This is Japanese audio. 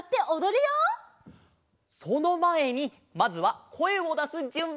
そのまえにまずはこえをだすじゅんび！